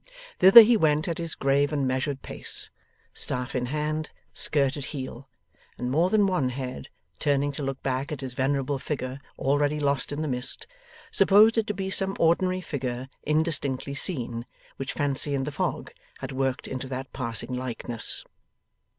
Thither he went at his grave and measured pace, staff in hand, skirt at heel; and more than one head, turning to look back at his venerable figure already lost in the mist, supposed it to be some ordinary figure indistinctly seen, which fancy and the fog had worked into that passing likeness.